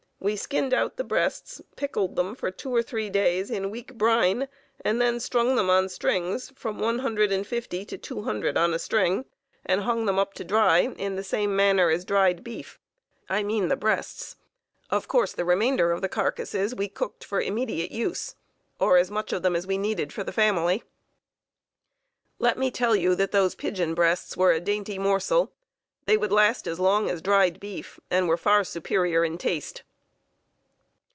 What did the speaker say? We skinned out the breasts, pickled them for two or three days in weak brine, and then strung them on strings, from one hundred and fifty to two hundred on a string, and hung them up to dry in the same manner as dried beef (I mean the breasts). Of course the remainder of the carcasses we cooked for immediate use, or as much of them as we needed for the family. Let me tell you that those pigeon breasts were a dainty morsel, and would last as long as dried beef and was far its superior in taste.